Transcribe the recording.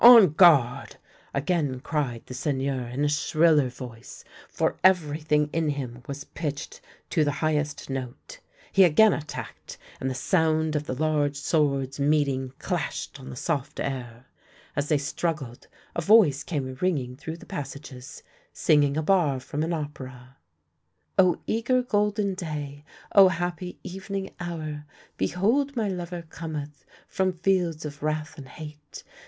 On guard! " again cried the Seigneur in a shriller voice, for everything in him was pitched to the highest note. He again attacked, and the sound of the large swords THE LANE THAT HAD NO TURNING 31 meeting clashed on the soft air. As they struggled, a voice came ringing through the passages, singing a bar from an opera —" Oh eager golden day, Oh happy evening hour! Behold my lover cometh from fields of wrath and hate!